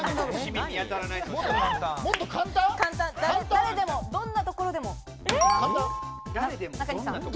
誰でも、どんなところでもできます。